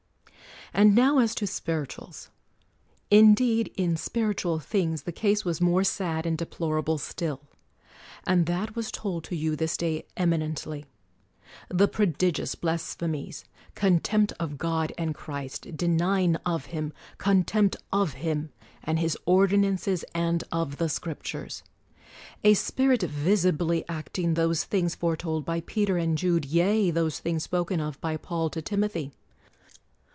And now as to spirituals. Indeed in spiritual things the case was more sad and deplorable still ; and that was told to you this day eminently. The prodigious blasphemies; contempt of God and Christ, denying of Him, contempt of Him and His ordinances and of the Scriptures: a spirit visibly acting those things foretold by Peter and Jude; yea, those things spoken of by Paul to Timothy!